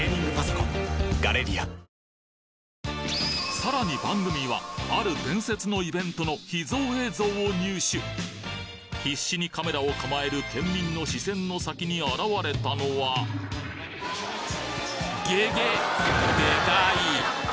さらに番組はある伝説のイベントの秘蔵映像を入手必死にカメラをかまえる県民の視線の先に現れたのはゲゲッ！